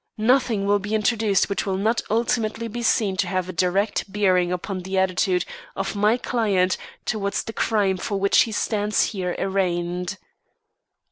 Nothing will be introduced which will not ultimately be seen to have a direct bearing upon the attitude of my client towards the crime for which he stands here arraigned."